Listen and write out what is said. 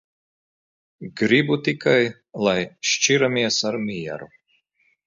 Gribu tikai, lai šķiramies ar mieru.